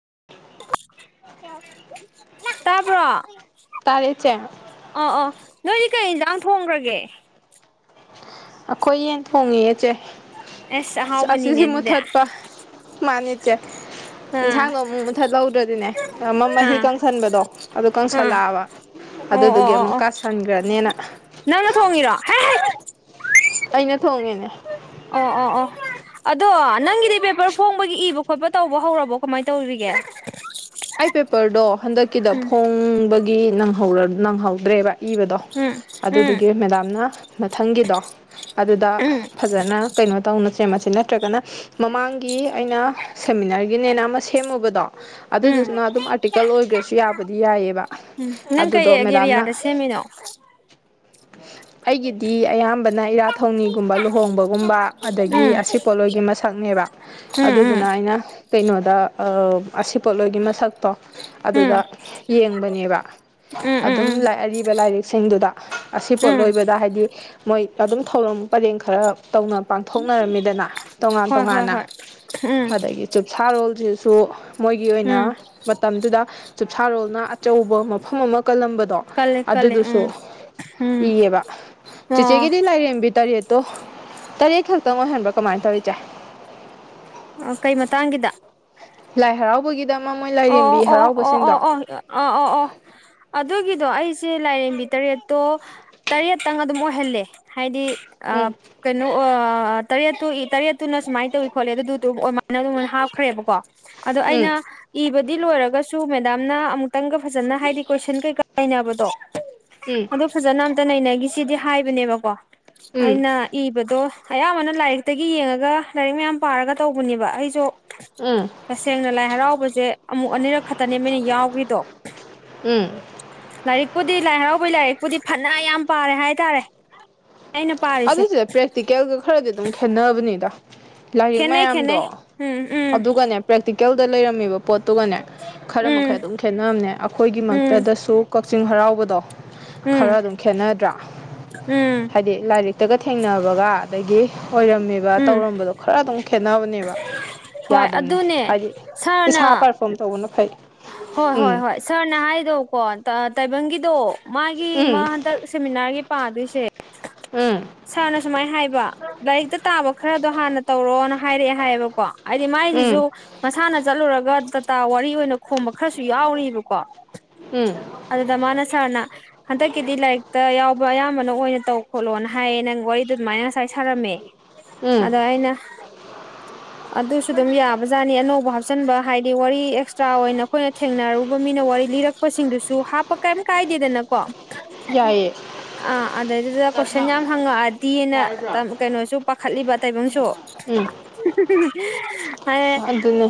[unintelligible] ꯇꯥꯄ ꯇꯥꯔꯦ ꯆꯦ ꯅꯣꯏꯗꯤ ꯀꯩ ꯌꯦꯟꯖꯥꯡ ꯊꯣꯡꯈ꯭ꯔꯒꯦ ꯑꯩꯈꯣꯏ ꯌꯦꯟ ꯊꯣꯡꯉꯦꯁꯦ ꯑꯁ ꯑꯍꯥꯎꯕꯅꯤꯅꯦ ꯑꯁꯤꯁꯤ ꯑꯗꯨꯗꯤ ꯃꯨꯊꯠ ꯄ ꯃꯅꯤ ꯑꯥ ꯏꯟꯁꯥꯡꯗꯣ ꯑꯃꯨꯛ ꯃꯨꯊꯠꯍꯗ꯭ꯔꯗꯤꯅꯦ ꯑꯃ ꯃꯍꯤ ꯑꯥ ꯀꯪꯁꯟꯕꯗꯣ ꯑꯗꯨ ꯑꯥ ꯀꯪꯁꯜꯂꯛꯑꯕ ꯑꯣ ꯑꯣ ꯑꯗꯨꯗꯨꯒꯤ ꯑꯣ ꯑꯃꯨꯛ ꯑꯣ ꯀꯥꯁꯟꯈ꯭ꯔꯅꯦꯅ ꯅꯪꯅ ꯊꯣꯡꯉꯤꯔꯣ ꯑꯩꯅ ꯊꯣꯡꯉꯦꯅꯦ ꯑ ꯑꯣ ꯑꯣ ꯑꯗꯣ ꯅꯪꯒꯤꯗꯤ ꯄꯦꯄꯔ ꯐꯣꯡꯕꯒꯤ ꯏꯕ ꯈꯣꯠꯄ ꯇꯧꯕ ꯍꯧꯔꯕꯣ ꯀꯃꯥꯏꯅ ꯇꯧꯔꯤꯒꯦ ꯑꯥꯏ ꯄꯦ ꯄꯔꯗꯣ ꯍꯟꯗꯛꯀꯤꯗ ꯎꯝ ꯐꯣꯡꯕꯒꯤ ꯅꯪꯍꯧꯔ ꯅꯪ ꯍꯧꯗ꯭ꯔꯦꯕ ꯏꯕꯗꯣ ꯎꯝ ꯑꯗꯨꯗꯨꯒꯤ ꯃꯦꯗꯥꯝꯅ ꯃꯊꯪꯒꯤꯗꯣ ꯑꯗꯨꯗ ꯎꯝ ꯐꯖꯅ ꯀꯩꯅꯣ ꯇꯧꯅ ꯁꯦꯝꯦꯃ ꯅꯠꯇ꯭ꯔꯒꯅ ꯃꯃꯥꯡꯒꯤ ꯑꯩꯅ ꯁꯦꯃꯤꯅꯥꯔꯒꯤꯅꯦꯅ ꯁꯦꯝꯃꯨꯕꯗꯣ ꯎꯝ ꯎꯝ ꯑꯗꯨꯗꯨꯅ ꯑꯗꯨꯝ ꯑꯥꯔꯇꯤꯀꯜ ꯑꯣꯏꯈ꯭ꯔꯁꯨ ꯌꯥꯕꯗꯤ ꯌꯥꯏꯑꯕ ꯎꯝ ꯅꯪ ꯀꯩ ꯑꯗꯨꯗꯣ ꯃꯦꯗꯥꯝꯅ ꯑꯦꯔꯤꯌꯥꯗ ꯁꯦꯝꯃꯤꯅꯣ ꯑꯩꯒꯤꯗꯤ ꯑꯌꯥꯝꯕꯅ ꯏꯔꯥꯠ ꯊꯧꯅꯤꯒꯨꯝꯕ ꯂꯨꯍꯣꯡꯕꯒꯨꯝꯕ ꯑꯗꯒꯤ ꯎꯝ ꯑꯁꯤ ꯄꯣꯠꯂꯣꯏꯒꯤ ꯃꯁꯛꯅꯦꯕ ꯑꯗꯨꯗꯨꯅ ꯎꯝ ꯑꯩꯅ ꯀꯩꯅꯣꯗ ꯑꯁꯤ ꯄꯣꯠꯂꯣꯏꯒꯤ ꯃꯁꯛ ꯇꯣ ꯎꯝ ꯎꯝ ꯑꯗꯨꯗ ꯌꯦꯡꯕꯅꯦꯕ ꯎꯝ ꯎꯝ ꯎꯝ ꯑꯗꯨꯝ ꯑꯔꯤꯕ ꯂꯥꯏꯔꯤꯛꯁꯤꯡꯗꯨꯗ ꯑꯁꯤ ꯄꯣꯠ ꯎꯝ ꯂꯣꯏꯕꯗ ꯍꯥꯏꯗꯤ ꯃꯣꯏ ꯑꯗꯨꯝ ꯊꯧꯔꯝ ꯄꯔꯦꯡ ꯈꯔ ꯇꯧꯅ ꯄꯥꯡꯊꯣꯛꯅꯔꯝꯃꯤꯗꯅ ꯇꯣꯉꯥꯟ ꯍꯣꯏ ꯍꯣꯏ ꯇꯣꯉꯥꯟꯅ ꯍꯣꯏ ꯎꯝ ꯑꯗꯒꯤ ꯆꯨꯞꯁꯥꯔꯣꯜꯁꯤ ꯁꯣ ꯃꯣꯏꯒꯤ ꯑꯣꯏꯅ ꯎꯝ ꯃꯇꯝꯗꯨꯗ ꯆꯨꯞꯁꯥꯔꯣꯜꯅ ꯑꯆꯧꯕ ꯃꯐꯝ ꯑꯃ ꯀꯜꯂꯝꯕꯗꯣ ꯀꯜꯂꯦ ꯀꯜꯂꯦ ꯑꯗꯨꯗꯨꯁꯨ ꯎꯝ ꯎꯝ ꯏꯌꯦꯕ ꯆꯦꯆꯦꯒꯤꯗꯤ ꯑꯣ ꯂꯥꯏꯔꯦꯝꯕꯤ ꯇꯔꯦꯠꯇꯣ ꯇꯔꯦꯠ ꯈꯛ ꯈꯤꯇꯪ ꯑꯣꯏꯍꯟꯕ꯭ꯔꯥ ꯀꯃꯥꯏꯅ ꯇꯧꯔꯤꯁꯦ ꯀꯩ ꯃꯇꯥꯡꯒꯤꯗ ꯂꯥꯏ ꯍꯔꯥꯎꯕꯒꯤꯅ ꯑꯣ ꯑꯣ ꯑꯣ ꯑꯣ ꯑꯣ ꯑꯣ ꯑꯣ ꯑꯣ ꯑꯗꯨꯒꯤꯗꯣ ꯑꯩꯁꯦ ꯂꯥꯏꯔꯦꯝꯕꯤ ꯇꯔꯦꯠꯇꯣ ꯇꯔꯦꯠꯇꯪ ꯑꯗꯨꯝ ꯑꯣꯏꯍꯜꯂꯦ ꯍꯥꯏꯗꯤ ꯑ ꯎꯝ ꯀꯩꯅꯩꯅꯣ ꯑ ꯇꯔꯦꯠꯇꯨ ꯏ ꯇꯔꯦꯠꯇꯨꯅ ꯁꯨꯃꯥꯏ ꯇꯧꯋꯤ ꯈꯣꯠꯂꯦ ꯑꯗꯨꯗꯨ ꯑꯗꯨꯃꯥꯏꯅ ꯑꯗꯨꯝ ꯍꯥꯞꯈ꯭ꯔꯦꯕꯀꯣ ꯑꯗꯣ ꯎꯝ ꯑꯩꯅ ꯑꯗꯨꯗꯤ ꯂꯣꯏꯔꯒꯁꯨ ꯃꯦꯗꯥꯝꯅ ꯑꯃꯨꯛꯇꯪꯒ ꯐꯖꯅ ꯍꯥꯏꯗꯤ ꯀꯣꯏꯁꯟ ꯀꯩꯀꯥꯥꯏꯅꯕꯗꯣ ꯎꯝ ꯑꯗꯨꯗꯣ ꯐꯖꯅ ꯑꯝꯇ ꯅꯩꯅꯒꯦ ꯒꯤ ꯁꯤꯗꯤ ꯍꯥꯏꯕꯅꯦꯕꯀꯣ ꯎꯝ ꯑꯩꯅ ꯏꯕꯗꯣ ꯑꯌꯥꯝꯕꯅ ꯂꯥꯏꯔꯤꯛꯇꯒꯤ ꯌꯦꯡꯉꯒ ꯂꯥꯏꯔꯤꯛ ꯃꯌꯥꯝ ꯄꯥꯔꯒ ꯇꯧꯕꯅꯦꯕ ꯑꯩꯁꯨ ꯎꯝ ꯇꯁꯦꯡꯅ ꯂꯥꯏ ꯍꯔꯥꯎꯕꯁ ꯦ ꯑꯃꯨꯛ ꯑꯅꯤꯔꯛ ꯈꯛꯇꯅꯦꯩꯅ ꯌꯥꯎꯈꯤꯗꯣ ꯎꯝ ꯂꯥꯏꯔꯤꯛꯄꯨꯗꯤ ꯂꯥꯏ ꯍꯔꯥꯎꯕꯩ ꯂꯥꯏꯔꯤꯛꯄꯨꯗꯤ ꯐꯅ ꯌꯥꯝ ꯄꯥꯔꯦ ꯍꯥꯏꯇꯥꯔꯦ ꯑꯩꯅ ꯄꯥꯔꯤꯁꯦ ꯑꯗꯨ ꯁꯤꯗ ꯄ꯭ꯔꯦꯛꯇꯤꯀꯦꯜꯒ ꯈꯔꯗꯤ ꯑꯗꯨꯝ ꯈꯦꯠꯅꯕꯅꯤꯗ ꯂꯥꯏꯔꯤꯛ ꯈꯦꯠꯅꯩ ꯈꯦꯠꯅꯩ ꯃꯌꯥꯝꯗꯣ ꯎꯝ ꯎꯝ ꯑꯗꯨꯒꯅꯦ ꯄ꯭ꯔꯤ ꯀꯀꯦꯜꯗ ꯂꯩꯔꯝꯃꯤꯕ ꯄꯣꯠꯇꯨꯒꯅꯦ ꯈꯔ ꯎꯝ ꯃꯈꯩ ꯑꯗꯨꯝ ꯈꯦꯠꯅꯝꯅꯦ ꯑꯩꯈꯣꯏꯒꯤ ꯎꯝ ꯃꯛꯇꯗꯁꯨ ꯆꯤꯡ ꯍꯔꯥꯎꯕꯗꯣ ꯎꯝ ꯈꯔ ꯑꯗꯨꯝ ꯈꯦꯅꯗ꯭ꯔꯥ ꯎꯝ ꯍꯥꯏꯗꯤ ꯂꯥꯏꯔꯤꯛ ꯍ ꯇꯒ ꯊꯦꯡꯅꯕꯒ ꯑꯗꯒꯤ ꯑꯣꯏꯔꯝꯃꯦꯕ ꯎꯝ ꯇꯧꯔꯝꯕꯗꯣ ꯈꯔ ꯑꯗꯨꯝ ꯈꯦꯠꯅꯕꯅꯦꯕ ꯍꯣꯏ ꯌꯥꯗꯕꯅꯦ ꯑꯗꯨꯅꯦ ꯍꯥꯏꯗꯤ ꯁꯥꯔꯅ ꯏꯁꯥ ꯄꯔꯐꯣꯝ ꯇꯧꯕꯅ ꯐꯩ ꯍꯣꯏ ꯎꯝ ꯍꯣꯏ ꯍꯣꯏ ꯁꯥꯔꯅ ꯍꯥꯏꯗꯣꯀꯣ ꯇꯥꯏꯕꯪꯒꯤꯗꯣ ꯃꯥꯒꯤ ꯎꯝ ꯃꯥ ꯍꯟꯗꯛ ꯁꯦꯃꯤꯅꯥꯔꯒꯤ ꯄ ꯑꯗꯨ ꯁꯦ ꯁꯥꯔꯅ ꯁꯨꯃꯥꯏꯅ ꯍꯥꯏꯕ ꯏꯗ ꯇꯥꯕ ꯈꯔꯗꯣ ꯍꯥꯟꯅ ꯇꯧꯔꯛꯑꯣꯅ ꯍꯥꯏꯔꯛꯑꯦ ꯍꯥꯏꯌꯦꯕꯀꯣ ꯍꯥꯏꯗꯤ ꯎꯝ ꯃꯥꯏꯁꯤꯁꯨ ꯃꯁꯥꯅ ꯆꯠꯂꯨꯔꯒ ꯇꯥ ꯋꯥꯔꯤ ꯑꯣꯏꯅ ꯈꯣꯝꯕ ꯈꯔꯁꯨ ꯌꯥꯎꯔꯤꯕꯔꯤꯕꯀꯣ ꯎꯝ ꯎꯝ ꯑꯗꯨꯗꯗꯃꯅꯁꯔ ꯅ ꯍꯟꯗꯛꯀꯤꯗꯤ ꯂꯥꯏꯔꯤꯛꯇ ꯌꯥꯎꯕ ꯑꯌꯥꯝꯕꯅ ꯑꯣꯏꯅ ꯇꯧ ꯈꯣꯠꯂꯣꯅ ꯍꯥꯏꯌꯦ ꯅꯪ ꯋꯥꯔꯤꯗꯨ ꯑꯗꯨꯃꯥꯏꯅ ꯉꯁꯥꯏ ꯁꯥꯔꯝꯃꯦ ꯎꯝ ꯑꯗ ꯑꯥꯏꯅ ꯑꯗꯨ ꯑꯗꯨꯁꯨ ꯑꯗꯨꯝ ꯌꯥꯕꯖꯥꯠꯅꯤ ꯑꯅꯧꯕ ꯍꯥꯞꯆꯤꯟꯕ ꯍꯥꯏꯗꯤ ꯋꯥꯔꯤ ꯑꯦꯛꯁꯇ꯭ꯔꯥ ꯑꯣꯏꯅ ꯑꯩꯈꯣꯏꯅ ꯊꯦꯡꯅꯔꯨꯕ ꯃꯤꯅ ꯋꯥꯔꯤ ꯂꯤꯔꯛꯄꯁꯤꯡꯗꯨꯁꯨ ꯍꯥꯞꯄ ꯀꯔꯤꯝ ꯀꯥꯏꯗꯦꯗꯅꯀꯣ ꯌꯥꯏꯌꯦ ꯑꯥ ꯑꯗꯨꯗꯩꯗꯨꯗ ꯀꯣꯏꯁꯟ ꯌꯥꯝ ꯍꯪꯉꯛꯑꯗꯤꯅ ꯀꯩꯅꯣꯁꯨ ꯈꯠꯂꯤꯕ ꯇꯥꯏꯕꯪꯁꯨ ꯎꯝ ꯑꯗꯨ ꯑꯗꯨꯅꯦ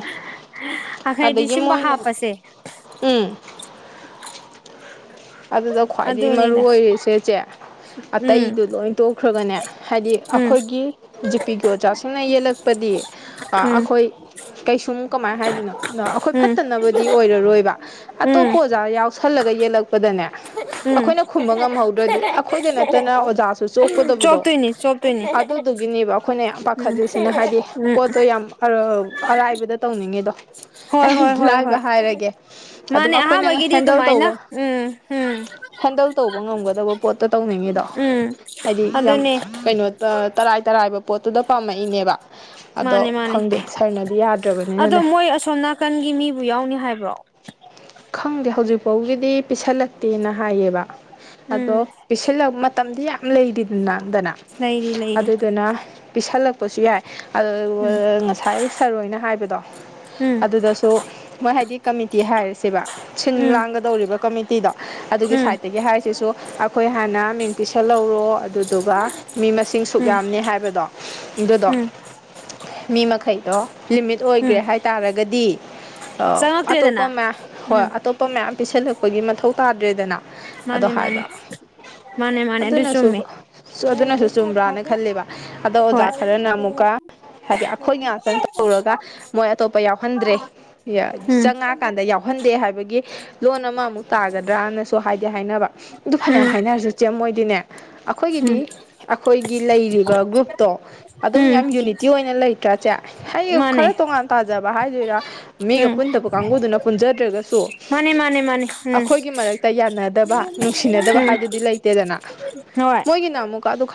ꯑꯈꯩꯗꯤ ꯑꯗꯒꯤ ꯁꯤꯝꯕ ꯃꯅ ꯍꯥꯞꯄꯁꯦ ꯎꯝ ꯑꯗꯨꯗ ꯈ꯭ꯋꯥꯏꯗꯒꯤ ꯃꯔꯨ ꯑꯗꯨꯅꯤꯗ ꯑꯣꯏꯔꯤ ꯁꯦꯆꯦ ꯎꯝ ꯑꯇꯩꯗꯨ ꯂꯣꯏ ꯇꯣꯛꯈ꯭ꯔꯒꯅꯦ ꯍꯥꯏꯗꯤ ꯎꯝ ꯑꯩꯈꯣꯏꯒꯤ ꯖꯤꯄꯤꯤꯒꯤ ꯑꯣꯖꯥꯁꯤꯡꯅ ꯌꯦꯜꯂꯛꯄꯗꯤ ꯎꯝ ꯑꯩꯈꯣꯏ ꯀꯩꯁꯨꯝ ꯀꯃꯥꯏꯅ ꯍꯥꯏꯗꯣꯏꯅꯣ ꯑꯩꯈꯣꯏ ꯎꯝ ꯐꯠꯇꯅꯕꯗꯤ ꯑꯣꯏꯔꯔꯣꯏꯕ ꯎꯝ ꯑꯇꯣꯞꯄ ꯑꯣꯖꯥ ꯌꯥꯎꯁꯜꯂꯒ ꯌꯦꯜꯂꯛꯄ ꯗꯅꯦ ꯎꯝ ꯑꯩꯈꯣꯏꯅ ꯈꯨꯝꯕ ꯉꯝꯍꯧꯗ꯭ꯔꯗꯤ ꯑꯩꯈꯣꯏꯗ ꯅꯠꯇꯅ ꯑꯣꯖꯥꯁꯨ ꯆꯣꯛꯀꯗꯕꯗꯣ ꯆꯣꯞꯇꯣꯏꯅꯤ ꯆꯣꯞꯇꯣꯏꯅꯤ ꯑꯗꯨꯗꯨꯒꯤꯅꯦꯕ ꯑꯩꯈꯣꯏꯅ ꯌꯥꯝ ꯎꯝ ꯄꯥꯈꯠꯂꯤꯁꯤꯅ ꯍꯥꯏꯗꯤ ꯎꯝ ꯄꯣꯠꯇꯣ ꯌꯥꯝ ꯑꯔꯥꯏꯕꯗ ꯇꯧꯅꯤꯡꯉꯤꯗꯣ ꯍꯣꯏ ꯍꯣꯏ ꯍꯣꯏ ꯂꯥꯏꯕ ꯍꯣꯏ ꯍꯥꯏꯔꯒꯦ ꯑꯗꯨꯝ ꯃꯥꯅꯦ ꯑꯩꯈꯣꯏꯅ ꯑꯍꯥꯟꯕꯒꯤꯗꯤ ꯍꯦꯟꯗꯜ ꯇꯧꯕ ꯑꯗꯨꯃꯥꯏꯅ ꯎꯝ ꯎꯝ ꯍꯦꯟꯗꯜ ꯇꯧꯕ ꯉꯝꯒꯗꯕ ꯄꯣꯠꯇ ꯇꯧꯅꯤꯡꯉꯤꯗꯣ ꯎꯝ ꯍꯥꯏꯗꯤ ꯌꯥꯝ ꯑꯗꯨꯅꯦ ꯀꯩꯅꯣ ꯇꯔꯥꯏ ꯇꯔꯥꯏꯕ ꯄꯣꯠꯇꯨꯗ ꯄꯥꯝꯃꯛꯏꯅꯦꯕ ꯑꯗꯣ ꯃꯥꯅꯦ ꯃꯥꯅꯦ ꯈꯪꯗꯦ ꯁꯥꯔꯅꯗꯤ ꯑꯗꯣ ꯌꯥꯗ꯭ꯔꯕꯅꯤꯅꯅꯦ ꯃꯣꯏ ꯑꯁꯣꯝ ꯅꯥꯀꯟꯒꯤ ꯃꯤꯕꯨ ꯌꯥꯎꯅꯤ ꯍꯥꯏꯕ꯭ꯔꯣ ꯈꯪꯗꯦ ꯍꯧꯖꯤꯛ ꯐꯥꯎꯒꯤꯗꯤ ꯄꯤꯁꯜꯂꯛꯇꯦꯅ ꯍꯥꯏꯌꯦꯕ ꯑꯗꯣ ꯎꯝ ꯄꯤꯁꯜ ꯇꯝꯗꯤꯌꯥ ꯂꯩꯔꯤꯗꯨꯗꯤ ꯅꯥꯟꯗꯥꯅ ꯂꯩꯔꯤ ꯂꯩꯔꯤ ꯑꯗꯨꯗꯨꯅ ꯄꯤꯁꯜꯂꯛꯄꯁꯨ ꯌꯥꯏ ꯑꯗꯨꯒ ꯎꯝ ꯉꯁꯥꯏ ꯁꯔꯣꯏꯅ ꯍꯥꯏꯕꯗꯣ ꯎꯝ ꯑꯗꯨꯗꯁꯨ ꯃꯣꯏ ꯍꯥꯏꯗꯤ ꯀꯃꯤꯠꯇꯤ ꯍꯥꯏꯔꯁꯤ ꯁꯤꯕ ꯁꯤꯟ ꯎꯝ ꯂꯥꯡꯒꯗꯧꯔꯤꯕ ꯀꯃꯤꯇꯤꯗ ꯑꯗꯨꯒꯤ ꯎꯝ ꯁꯥꯏꯗꯠꯇꯒꯤ ꯍꯥꯏꯔꯤꯁꯤꯁꯨ ꯑꯩꯈꯣꯏ ꯍꯥꯟꯅ ꯃꯤꯡ ꯄꯤꯁꯜꯍꯧꯔꯣ ꯑꯗꯨꯗꯨꯒ ꯃꯤ ꯃꯁꯤꯡ ꯁꯨꯛ ꯎꯝ ꯌꯥꯝꯅꯤ ꯍꯥꯏꯕꯗꯣ ꯑꯗꯨꯗꯣ ꯎꯝ ꯃꯤ ꯃꯈꯩꯗꯣ ꯂꯤꯃꯤꯠ ꯎꯝ ꯑꯣꯏꯒꯔ‌ꯦ ꯍꯥꯏ ꯇꯥꯥꯔꯒꯗꯤ ꯑ ꯆꯪꯉꯛꯇ꯭ꯔꯦꯗꯅ ꯑꯇꯣꯞꯄꯝ ꯃ ꯍꯣꯏ ꯎꯝ ꯑꯇꯣꯞꯄ ꯃꯌꯥꯝ ꯄꯤꯁꯜꯂꯨ ꯑꯩꯈꯣꯏꯒꯤ ꯃꯊꯧ ꯇꯥꯗ꯭ꯔꯦꯗꯅ ꯑꯗꯣ ꯃꯥꯅꯦ ꯃꯥꯅꯦ ꯍꯥꯏꯕ ꯃꯥꯅꯦ ꯃꯥꯅꯦ ꯑꯗꯨ ꯑꯗꯨꯅꯁꯨ ꯆꯨꯝꯃꯦ ꯑꯗꯨꯅꯁꯨ ꯆꯨꯝꯕ꯭ꯔꯥꯅ ꯈꯂꯦꯕ ꯑꯗꯣ ꯍꯣꯏ ꯑꯣꯖꯥ ꯈꯔꯅ ꯑꯃꯨꯛꯀ ꯍꯥꯏꯗꯤ ꯑꯩꯈꯣꯏ ꯉꯥꯛꯇꯪ ꯇꯧꯔꯒ ꯃꯣꯏ ꯑꯇꯣꯞꯄ ꯌꯥꯎꯍꯟꯗ꯭ꯔꯦ ꯎꯝ ꯆꯪꯉꯛꯑꯀꯥꯟꯗ ꯌꯥꯎ ꯊꯣꯛꯍꯟꯗꯦ ꯍꯥꯏꯕꯒꯤ ꯂꯣꯟ ꯑꯃꯥ ꯑꯃꯨꯛ ꯇꯥꯒꯗ꯭ꯔꯥꯅꯁꯨ ꯍꯥꯏꯗꯤ ꯍꯥꯏꯅꯕ ꯑꯗꯨ ꯐꯅꯌꯥꯝ ꯎꯝ ꯍꯥꯏꯅꯔꯁꯨ [inaudible] ꯃꯣꯏꯗꯤꯅꯦ ꯎꯝ ꯑꯩꯈꯣꯏꯒꯤꯗꯤ ꯑꯩꯈꯣꯏꯒꯤ ꯂꯩꯔꯤꯕ ꯒ꯭ꯔꯨꯞꯇꯣ ꯑꯗꯨꯝ ꯎꯝ ꯌꯥꯝ ꯌꯨꯅꯤꯇꯤ ꯑꯣꯏꯅ ꯂꯩꯇ꯭ꯔꯥꯁꯦ ꯍꯌꯦ ꯃꯥꯅꯦ ꯈꯔ ꯇꯣꯉꯥꯟ ꯇꯥꯖꯕ ꯍꯥꯏꯦ ꯖꯤꯔꯥ ꯃꯤꯒ ꯎꯝ ꯄꯨꯟ ꯇꯄ ꯀꯪꯒꯨꯗꯨꯅ ꯗꯔꯖꯒ ꯁꯨ ꯃꯥꯅꯦ ꯃꯥꯅꯦ ꯃꯥꯅꯦ ꯎꯝ ꯑꯩꯈꯣꯏꯒꯤ ꯃꯔꯛꯇ ꯌꯥꯅ ꯎꯝ ꯍꯣꯏ [inaudible]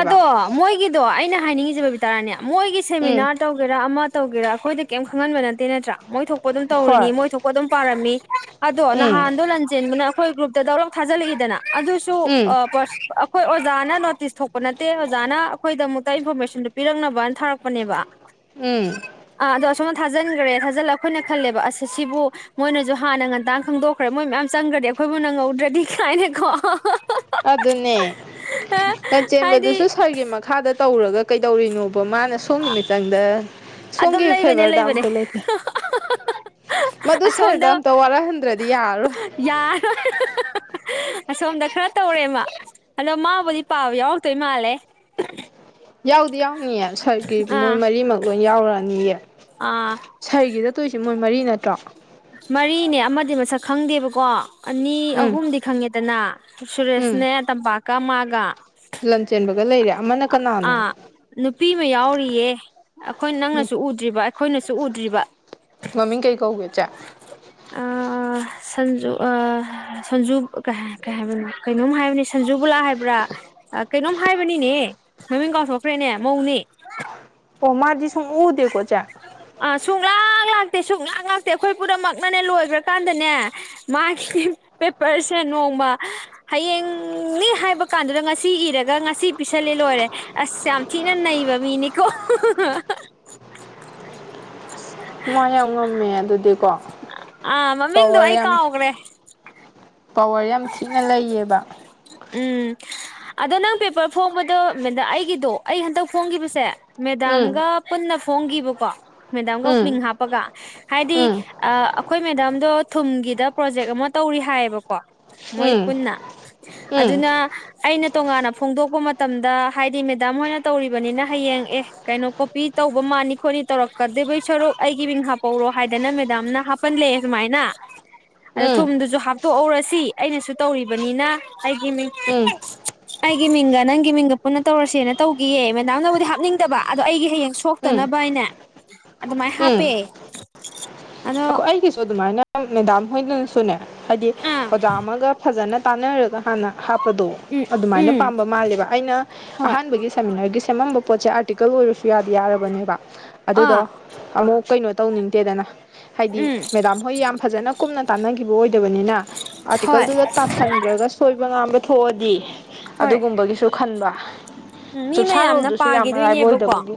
ꯑꯗꯣ ꯃꯣꯏꯒꯤꯗꯣ ꯑꯩꯅ ꯍꯥꯏꯅꯤꯡꯉꯤꯁꯦ ꯕꯕꯤꯇꯥꯔꯥꯅꯤ ꯃꯣꯏꯒꯤ ꯎꯝ ꯁꯦꯃꯤꯅꯥꯔ ꯇꯧꯒꯦꯔꯥ ꯑꯃ ꯇꯧꯒꯦꯔꯥ ꯑꯩꯈꯣꯏꯗ ꯀꯩꯝ ꯈꯪꯍꯕ ꯅꯠꯇꯦ ꯅꯠꯇ꯭ꯔꯥ ꯃꯣꯏ ꯊꯣꯛꯄ ꯑꯗꯨꯝ ꯇꯧꯔꯤꯅꯤ ꯍꯣꯏ ꯃꯣꯏ ꯊꯣꯛꯄ ꯑꯗꯨꯝ ꯄꯥꯔꯝꯃꯤ ꯎ ꯑꯗꯣ ꯎꯝ ꯅꯍꯥꯟꯗꯣ ꯂꯥꯟꯖꯦꯟꯕꯅ ꯑꯩꯈꯣꯏ ꯒ꯭ꯔꯨꯞꯗꯧꯔꯞ ꯊꯥꯜꯛꯏꯗꯅ ꯑꯗꯨꯁꯨ ꯎꯝ ꯑꯩꯣꯏ ꯑꯣꯖꯅ ꯅꯣꯇꯤꯁ ꯊꯣꯛꯄ ꯅꯠꯇꯦ ꯑꯣꯖꯥꯅ ꯑꯩꯈꯣꯏꯗꯃꯛꯇ ꯏꯟꯐꯣꯔꯃꯦꯁꯟꯗꯨ ꯄꯤꯔꯛꯅꯕꯅ ꯊꯥꯔꯛꯄꯅꯦꯕ ꯎꯝ ꯑꯁꯨꯝ ꯊꯥꯖꯤꯟꯈ꯭ꯔꯦ ꯊꯥꯖꯜꯂ ꯑꯩꯈꯣꯏꯅ ꯈꯜꯂꯦꯕ ꯑꯁ ꯁꯤꯕꯨ ꯃꯣꯏꯅꯁꯨ ꯍꯥꯟꯅ ꯉꯟꯇꯥꯡ ꯈꯪꯗꯣꯛꯈ꯭ꯔꯦ ꯃꯣꯏ ꯃꯌꯥꯝ ꯆꯪꯈ꯭ꯔꯗꯤ ꯑꯩꯈꯣꯏꯕꯨ ꯅꯪ ꯉꯧꯗ꯭ꯔꯗꯤ ꯀꯥꯏꯅꯤꯀꯣ ꯑꯗꯨ ꯑꯗꯨꯅꯦꯦ ꯍꯥꯏꯗꯤ ꯆꯦꯟꯕꯗꯨꯁꯨ ꯁꯥꯔꯒꯤ ꯃꯈꯥꯗ ꯇꯧꯔꯒ ꯀꯩꯗꯧꯔꯤꯅꯣ ꯣ ꯃꯥꯅ ꯁꯣꯝꯒꯤ ꯃꯤꯇꯪꯗ ꯑꯗꯨꯝ ꯂꯩꯕꯅꯦ ꯂꯩꯕꯅꯦ ꯃꯗꯨ ꯑꯁꯣꯝꯗ ꯁꯥꯔꯗ ꯑꯝꯇ ꯋꯥꯔꯛꯍꯟꯗ꯭ꯔꯗꯤ ꯌꯥꯔꯔꯣꯏ ꯌꯥꯔꯣꯏ ꯑꯁꯣꯝꯗ ꯈꯔ ꯇꯧꯔꯦꯃ ꯑꯗꯣ ꯃꯥꯕꯨꯗꯤ ꯄꯥꯕ ꯌꯥꯎꯔꯛꯇꯣꯏ ꯃꯥꯜꯂꯦ ꯌꯥꯎꯗ ꯌꯥ ꯁꯔꯒꯤ ꯃꯣꯏ ꯑꯥ ꯃꯔꯤꯃꯛ ꯂꯣꯏ ꯌꯥꯎꯔꯛꯑꯅꯤꯌꯦ ꯑꯥ ꯁꯔꯒꯤꯗ ꯇꯣꯏꯁꯤ ꯃꯣꯏ ꯃꯔꯤ ꯅꯠꯇ꯭ꯔꯣ ꯃꯔꯤꯅꯦ ꯑꯃꯗꯤ ꯃꯁꯛ ꯈꯪꯗꯦꯕꯀꯣ ꯑꯅꯤ ꯎꯝ ꯑꯍꯨꯝ ꯈꯥꯡꯒꯦ ꯠꯇꯅꯥ ꯎꯝ ꯁꯨꯔꯦꯁꯅꯦ ꯇ ꯀꯃꯒ ꯂꯟ ꯆꯦꯟꯕꯒ ꯂꯩꯔꯦ ꯑꯃꯅ ꯀꯅꯥꯅꯣ ꯑꯥ ꯅꯨꯄꯤ ꯑꯃ ꯌꯥꯎꯔꯤꯌꯦ ꯑꯩꯈꯣꯏ ꯅꯪꯅꯁꯨ ꯎꯗ꯭ꯔꯤꯕ ꯑꯩꯈꯣꯏꯅꯁꯨ ꯎꯗ꯭ꯔꯤꯕ ꯃꯝꯃꯤ ꯀꯩ ꯀꯧꯦ ꯆ ꯑꯥ ꯁꯟꯖꯨ ꯁꯟꯖꯨ ꯀꯩ ꯍꯥꯏ ꯀꯩꯅꯣꯝ ꯍꯥꯏꯕꯅꯤ ꯁꯟꯖꯨꯕꯨꯂꯥ ꯍꯥꯏꯕ꯭ꯔꯥ ꯀꯩꯅꯣꯝ ꯍꯥꯏꯕꯅꯤꯅꯦ ꯃꯃꯤꯡ ꯀꯥꯎꯊꯣꯛꯈ꯭ꯔꯦꯅꯦ ꯃꯧꯅꯦ ꯑꯣ ꯃꯥꯔꯖꯤ ꯁ ꯎꯗꯤꯀ ꯆ ꯉꯥꯛꯇꯦ ꯁꯨꯡ ꯉꯥꯛ ꯉꯥꯛꯇꯦ ꯑꯩꯈꯣꯏ ꯄꯨꯝꯅꯃꯛꯅꯅꯦ ꯂꯣꯏꯈ꯭ꯔꯀꯥꯟꯗꯅꯦ ꯃꯥꯒꯤ ꯄꯦꯄꯔꯁꯦ ꯅꯣꯡꯃ ꯍꯌꯦꯡꯅꯦ ꯍꯥꯏꯕ ꯀꯥꯟꯗꯨꯗ ꯉꯁꯤ ꯏꯔꯒ ꯉꯁꯤ ꯄꯤꯁꯜꯂꯦ ꯂꯣꯏꯔꯦ ꯑꯁ ꯌꯥꯝ ꯊꯤꯅ ꯅꯩꯕ ꯃꯤꯅꯤꯀꯣ ꯍ ꯃꯥ ꯌꯥꯝ ꯉꯝꯃꯦ ꯑꯗꯨꯗꯤꯀꯣ ꯑꯥ ꯃꯃꯤꯡꯗꯣ ꯄꯋꯥꯔ ꯑꯩ ꯌꯥꯝ ꯀꯥꯎꯈ꯭ꯔꯦ ꯄꯋꯥꯔ ꯌꯥꯝ ꯊꯤꯅ ꯂꯩꯌꯦꯕ ꯎꯝ ꯑꯗꯣ ꯅꯪ ꯄꯦꯄꯔ ꯐꯣꯡꯕꯗꯣ ꯃꯦꯟꯗ ꯑꯩꯒꯤꯗꯣ ꯑꯩ ꯍꯟꯗꯛ ꯐꯣꯡꯒꯤꯈꯤꯕꯁꯦ ꯎꯝ ꯃꯦꯗꯥꯝꯒ ꯄꯨꯟꯅ ꯐꯣꯡꯈꯤꯕꯀꯣ ꯃꯦꯗꯥꯝꯒ ꯎꯝ ꯃꯤꯡ ꯍꯥꯞꯄꯒ ꯍꯥꯏꯗꯤ ꯎꯝ ꯑꯩꯈꯣꯏ ꯃꯦꯗꯥꯝꯗꯣ ꯊꯨꯝꯒꯤꯗ ꯄ꯭ꯔꯣꯖꯦꯛ ꯑꯃ ꯇꯧꯔꯤ ꯍꯥꯏꯌꯦꯕꯀꯣ ꯃꯣꯏ ꯎꯝ ꯄꯨꯟꯅ ꯑꯗꯨꯅ ꯑꯩꯅ ꯇꯣꯉꯥꯟꯅ ꯐꯣꯡꯗꯣꯛꯄ ꯃꯇꯝꯗ ꯍꯥꯏꯗꯤ ꯃꯦꯗꯥꯝ ꯍꯣꯏꯅ ꯇꯧꯔꯤꯕꯅꯤꯅ ꯍꯌꯦꯡ ꯑꯦ ꯀꯩꯅꯣ ꯀꯣꯄꯤ ꯇꯧꯕ ꯃꯥꯅꯤ ꯈꯣꯠꯅꯤ ꯇꯧꯔꯛꯀꯗꯕꯩ ꯁꯔꯨꯛ ꯑꯩꯒꯤ ꯃꯤꯡ ꯍꯥꯞꯄꯧꯔꯣ ꯍꯥꯏꯗꯅ ꯃꯦꯗꯥꯝꯅ ꯍꯥꯞꯄꯜꯂꯛꯑꯦ ꯁꯨꯃꯥꯏꯅ ꯑꯗ ꯎꯝ ꯊꯨꯝꯗꯨꯁꯨ ꯍꯥꯞꯇꯣꯛꯎꯧꯔꯁꯤ ꯑꯩꯅꯁꯨ ꯇꯧꯔꯤꯕꯅꯤꯅ ꯍꯥꯏꯒꯤ ꯃꯤ ꯎꯝ ꯒꯤ ꯃꯤꯡꯒ ꯅꯪꯒꯤ ꯃꯤꯡꯒ ꯄꯨꯟꯅ ꯇꯧꯔꯁꯦꯅ ꯇꯧꯈꯤꯌꯦ ꯃꯗꯥꯝꯅꯕꯨꯗꯤ ꯍꯥꯞꯅꯤꯡꯗꯕ ꯑꯗꯣ ꯑꯩꯒꯤ ꯍꯌꯦꯡ ꯎꯝ ꯁꯣꯛꯇꯅꯕ ꯍꯥꯏꯅꯦ ꯑꯗꯨꯃꯥꯏ ꯎꯝ ꯍꯥꯞꯄꯦ ꯑꯗꯣ ꯑꯩꯈꯣꯏ ꯑꯩꯒꯤꯁꯨ ꯑꯗꯨꯃꯥꯏꯅ ꯃꯦꯗꯝ ꯍꯣꯌꯅ ꯁꯨꯅꯦ ꯍꯥꯏꯗꯤ ꯑꯥ ꯑꯣꯖꯥ ꯑꯃꯒ ꯐꯖꯅ ꯇꯥꯅꯥꯔꯒꯥ ꯀꯣ ꯍꯥꯟꯅ ꯍꯥꯞꯄꯗꯣ ꯎꯝ ꯑꯗꯨꯃꯥꯏꯅ ꯎꯝ ꯄꯥꯝꯕ ꯃꯥꯜꯂꯦꯕ ꯑꯩꯅ ꯍꯣꯏ ꯑꯍꯥꯟꯕꯒꯤ ꯁꯦꯃꯤꯅꯥꯔꯒꯤ ꯁꯦꯝꯃꯝꯕ ꯄꯦ ꯑꯔꯇꯀꯜ ꯑꯣꯏ ꯁ ꯌꯥꯗꯤ ꯌꯥꯔꯕꯅꯦꯕ ꯑꯗꯨꯗꯣ ꯑꯥ ꯑꯃꯨꯛ ꯀꯩꯅꯣ ꯇꯧꯅꯤꯡꯗꯦꯗꯅ ꯍꯥꯏꯗꯤ ꯎꯝ ꯃꯦꯗꯥꯝ ꯍꯣꯏ ꯌꯥꯝ ꯐꯖꯅ ꯀꯨꯝꯅ ꯇꯥꯟꯅꯈꯤꯕ ꯑꯣꯏꯗꯕꯅꯤꯅ ꯍꯣꯏ ꯑꯥꯔꯇꯤꯀꯜꯗꯨꯗ ꯇꯥꯁꯟꯈ꯭ꯔꯒ ꯁꯣꯏꯕ ꯉꯥꯝꯕ ꯊꯣꯛꯑꯗꯤ ꯍꯣꯏ ꯑꯗꯨꯒꯨꯝꯕꯒꯤꯁꯨ ꯈꯟꯕ ꯎꯝ ꯃꯤ ꯃꯌꯥꯝꯅ ꯆꯨꯞꯁꯥꯔꯣꯜꯗꯨꯁꯨ ꯌꯥꯝ ꯑꯔꯥꯏꯕ ꯄꯥꯈꯤꯗꯣꯏꯅꯦꯕꯀꯣ ꯑꯣꯏꯗꯕꯒꯤ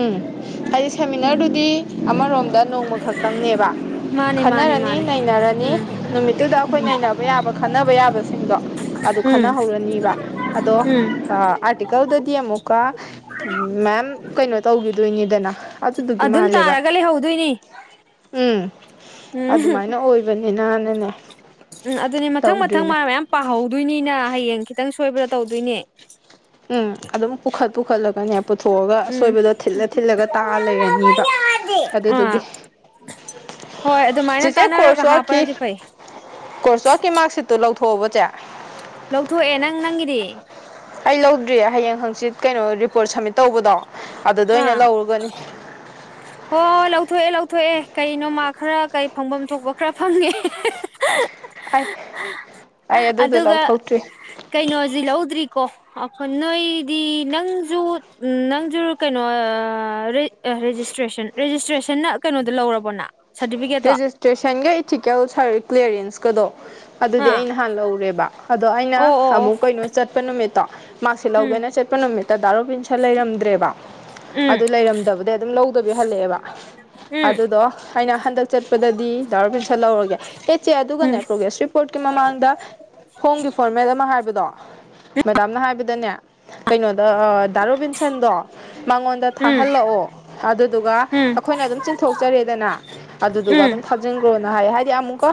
ꯎꯝ ꯍꯥꯏꯗꯤ ꯎꯝ ꯁꯦꯃꯤꯅꯥꯔꯗꯨꯗꯤ ꯑꯃꯔꯣꯝꯗ ꯅꯣꯡꯃ ꯕ ꯃꯥꯅꯦ ꯃꯥꯅꯦ ꯈꯟꯅꯔꯅꯤ ꯃꯥꯅꯦ ꯅꯩꯅꯔꯅꯤ ꯎꯝ ꯅꯨꯃꯤꯠꯇꯨꯗ ꯑꯩꯈꯣꯏ ꯅꯩꯅꯕ ꯌꯥꯕ ꯈꯕ ꯇꯕ ꯌꯥꯕꯁꯤꯡꯗꯣ ꯑꯗꯨ ꯎꯝ ꯈꯟꯅꯍꯧꯔꯅꯤꯕ ꯑꯗꯣ ꯎꯝ ꯑꯥꯔꯇꯤꯀꯜꯗꯗꯤ ꯑꯃꯨꯛ ꯀ ꯃꯦꯝ ꯀꯩꯅꯣ ꯇꯧꯈꯤꯗꯣꯏꯅꯤꯗꯅ ꯑꯗꯨꯗꯨꯒꯤ ꯑꯗꯨꯝ ꯃꯥꯜꯂꯦꯕ ꯇꯥꯔꯒ ꯂꯩꯍꯧꯗꯣꯏꯅꯦ ꯎꯝ ꯑꯗꯨꯃꯥꯏꯅ ꯑꯣꯏꯕꯅꯤꯅ ꯅꯅꯦꯅꯦ ꯎꯝ ꯑꯗꯨꯅꯦ ꯃꯊꯪ ꯃꯊꯪ ꯃꯥ ꯃꯌꯥꯝ ꯄꯥꯍꯧ ꯑꯗꯨꯏꯅꯤꯅ ꯍꯌꯦꯡ ꯈꯤꯇꯪ ꯁꯣꯏꯕ꯭ꯔꯥ ꯇꯧꯗꯣꯏꯅꯦ ꯎꯝ ꯑꯗꯨꯝ ꯄꯨꯈꯠ ꯄꯨꯈꯠꯂꯒꯅꯦ ꯄꯨꯊꯣꯛꯑꯒ ꯎꯝ ꯑꯁꯣꯏꯕꯗꯣ ꯊꯤꯠꯂ ꯊꯤꯠꯂꯒ ꯇꯥꯑ ꯂꯩꯔꯅꯤꯕ ꯑꯥ ꯑꯗꯨꯗꯨꯒꯤ ꯍꯣꯏ ꯑꯗꯨꯃꯥꯏꯅ ꯆꯤꯆꯦ ꯇꯥꯟꯅꯔꯒ ꯀꯣꯔꯁ ꯋꯥꯈꯤ ꯍꯥꯞꯄꯅꯗꯤ ꯐꯩ ꯀꯣꯔꯁ ꯆꯀꯤ ꯃꯥꯔꯛꯁꯤꯠꯇꯨ ꯂꯧꯊꯣꯛꯎꯕꯁꯦ ꯂꯧꯊꯣꯛꯑꯦ ꯅꯪ ꯅꯪꯒꯤꯗꯤ ꯑꯩ ꯂꯧꯗ꯭ꯔꯤꯌꯦ ꯍꯌꯦꯡ ꯍꯪꯆꯤꯠ ꯀꯩꯅꯣ ꯔꯤꯄꯣꯔꯠ ꯁꯝꯃꯤꯠ ꯇꯧꯕꯗꯣ ꯑꯗꯨꯗ ꯑꯣꯏꯅ ꯑꯥ ꯂꯧꯔꯒꯅꯤ ꯍ ꯂꯧꯊ ꯂꯧ ꯊꯣꯛꯑꯦ ꯀꯩ ꯅꯣꯃꯥ ꯈꯔ ꯀꯩ ꯐꯪꯐꯝ ꯊꯣꯛꯄ ꯈꯔ ꯐꯪꯉꯦ ꯑꯩ ꯑꯩ ꯑꯗꯨꯗꯣ ꯑꯗꯨꯒ ꯂꯧꯊꯣꯛꯇ꯭ꯔꯤ ꯑꯣꯏ ꯅꯣꯏꯗꯤ ꯅꯪꯁꯨ ꯎ ꯅꯪꯁꯨ ꯀꯩꯅꯣ ꯔꯦꯖꯤꯁꯇ꯭ꯔꯦꯁꯟ ꯔꯦꯖꯤꯁꯇ꯭ꯔꯦꯁꯟꯅ ꯀꯩꯅꯣꯗ ꯂꯧꯔꯕꯣꯅ ꯁꯥꯔꯇꯤꯐꯤꯀꯦꯠꯇꯣ ꯔꯦꯖꯤꯁꯇ꯭ꯔꯦꯁꯟꯒ ꯏꯊꯤꯀꯦꯜ ꯁꯥꯔ ꯀ꯭ꯂꯤꯌꯥꯔꯦꯟꯁꯀꯗꯣ ꯑꯗꯨꯗꯤ ꯑꯥ ꯑꯩ ꯅꯍꯥꯟ ꯂꯧꯔꯦꯕ ꯑꯗꯣ ꯑꯩꯅ ꯑꯣ ꯑꯣ ꯑꯣ ꯑꯃꯨꯛ ꯀꯩꯅꯣ ꯆꯠꯄ ꯅꯨꯃꯤꯠꯇꯣ ꯃꯥꯛꯁꯤꯠ ꯎꯝ ꯂꯧꯒꯦꯅ ꯆꯠꯄ ꯅꯨꯃꯤꯠꯇ ꯗꯥ ꯔꯣꯕꯤꯟꯁꯥꯟ ꯂꯩꯔꯝꯗ꯭ꯔꯦꯕ ꯎꯝ ꯑꯗꯨ ꯂꯩꯔꯝꯗꯕꯗꯩ ꯑꯗꯨꯝ ꯂꯧꯗꯕꯤ ꯍꯜꯂꯛꯑꯦꯕ ꯎꯝ ꯑꯗꯨꯗꯣ ꯑꯩꯅ ꯍꯟꯂꯛ ꯆꯠꯄꯗꯗꯤ ꯗꯥ ꯔꯣꯕꯤꯟꯁꯥꯟ ꯂꯧꯔꯒꯦ ꯑꯦ ꯆꯦ ꯑꯗꯨꯒꯅꯦ ꯎꯝ ꯄꯔꯣꯒ꯭ꯔꯦꯁ ꯔꯤꯄꯣꯔꯠ ꯒꯤ ꯃꯃꯥꯡꯗ ꯐꯣꯝ ꯒꯤ ꯐꯣꯔꯃꯦꯠ ꯑꯃꯥ ꯍꯥꯏꯕꯗꯣ ꯃꯦꯗꯥꯝ ꯅꯥ ꯍꯥꯏ ꯗꯅꯦ ꯀꯩꯅꯣꯗ ꯗꯤ ꯔꯣꯕꯤꯟꯁꯥꯟꯗꯣ ꯃꯉꯣꯟꯗ ꯎꯝ ꯊꯥꯍꯜꯂꯛꯑꯣ ꯑꯗꯨ ꯑꯗꯨꯒ ꯎꯝ ꯎꯝ ꯑꯩꯈꯣꯏꯅ ꯑꯗꯨꯝ ꯆꯤꯟꯊꯣꯛꯆꯔꯦꯗꯅ ꯑꯗꯨꯗꯨꯒ ꯎꯝ ꯑꯗꯨꯝ ꯊꯥꯖꯤꯟꯈ꯭ꯔꯣꯅ ꯍꯥꯏꯌꯦ ꯍꯥꯏꯗꯤ ꯑꯃꯨꯛꯀ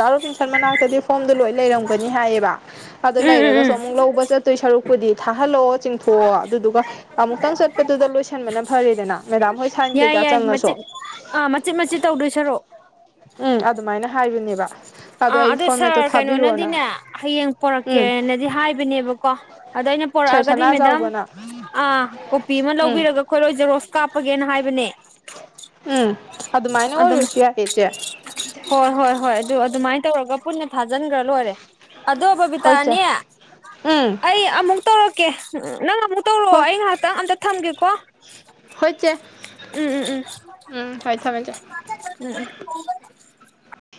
ꯗꯥ ꯔꯣꯟꯕꯤꯟꯁꯥꯟ ꯃꯅꯛꯇꯗꯤ ꯐꯣꯝꯗꯣ ꯂꯣꯏ ꯂꯩꯔꯝꯒꯅꯤ ꯍꯥꯌꯦꯕ ꯑꯗꯣ ꯂꯩꯔꯝꯒꯅꯤ ꯍꯥꯏꯌꯦꯕ ꯑꯗꯨ ꯎꯝ ꯂꯩꯔꯒꯁꯨ ꯎꯝ ꯑꯃꯨꯛ ꯂꯧꯕ ꯆꯠꯇꯣꯏ ꯁꯔꯨꯛꯄꯨꯗꯤ ꯍꯜꯂꯣ ꯆꯤꯡꯊꯣꯛꯑꯣ ꯑꯗꯨꯗꯨꯒ ꯑꯃꯨꯛꯇꯪ ꯆꯠꯄꯗꯨꯗ ꯂꯣꯏꯁꯤꯟꯕꯅ ꯐꯔꯦꯗꯅ ꯃꯦꯗꯥꯝ ꯍꯣꯏ ꯁꯥꯏꯟ ꯌꯥꯏ ꯀꯩꯀꯥ ꯌꯥꯏ ꯆꯪꯉꯥꯁꯨ ꯃꯆꯤꯠ ꯑꯥ ꯃꯆꯤꯠ ꯃꯆꯤꯠ ꯇꯧꯗꯣꯏ ꯁꯔꯨꯛ ꯍꯥꯏꯕꯅꯦꯕ ꯑꯥ ꯑꯩ ꯑꯗꯣ ꯐꯣꯟ ꯁꯥꯔ ꯃꯦꯠꯇꯣ ꯊꯥꯕꯤꯔꯛꯑꯣꯅ ꯀꯩꯅꯣꯅꯗꯤꯅꯦ ꯍꯌꯦꯡ ꯎꯝ ꯄꯣꯔꯛꯀꯦꯅꯗꯤ ꯍꯥꯏꯕꯅꯦꯕꯀꯣ ꯑꯗꯥ ꯑꯩꯅ ꯄꯨꯔꯛ ꯁꯥꯔ ꯃꯣ ꯁꯅꯥ ꯆꯥꯎꯕꯅ ꯎꯝ ꯍꯥꯏꯕꯅꯦ ꯎꯝ ꯑꯗꯨꯃꯥꯏꯅ ꯑꯗꯨꯝ ꯑꯣꯔꯁꯨ ꯌꯥꯏꯌ° ꯏꯆꯦ ꯍꯣꯏ ꯍꯣꯏ ꯍꯣꯏ ꯑꯗꯨ ꯑꯗꯨꯃꯥꯏꯅ ꯇꯧꯔꯒ ꯄꯨꯟꯅ ꯊꯥꯖꯤꯟꯈ꯭ꯔ ꯂꯣꯏꯔꯦ ꯑꯗꯣ ꯍꯣꯏ ꯆꯦ ꯕꯕꯤꯇꯥꯅꯦ ꯎꯝ ꯑꯩ ꯑꯃꯨꯛ ꯇꯧꯔ ꯀꯦ ꯅꯪ ꯑꯃꯨꯛ ꯇꯧꯔꯛꯑꯣ ꯍꯣꯏ ꯑꯩ ꯉꯥꯏꯍꯥꯛꯇꯪ ꯑꯝꯇ ꯊꯝꯒꯦꯀꯣ ꯍꯣꯏ ꯆꯦ ꯎꯝ ꯎꯝ ꯎꯝ ꯎꯝ ꯍꯣꯏ ꯊꯝꯃꯦ ꯆꯦ ꯎꯝ ꯎꯝ